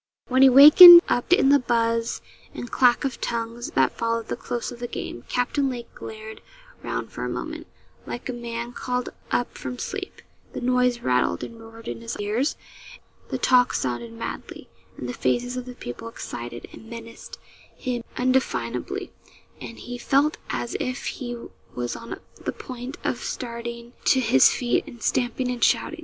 When he wakened up, in the buzz and clack of tongues that followed the close of the game, Captain Lake glared round for a moment, like a man called up from sleep; the noise rattled and roared in his ears, the talk sounded madly, and the faces of the people excited and menaced him undefinably, and he felt as if he was on the point of starting to his feet and stamping and shouting.